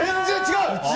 全然違う！